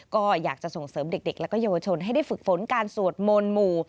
ก็อยากจะส่งเสริมเด็กและเยาวชนให้ได้ฝึกฝนการสวดมนต์หมู่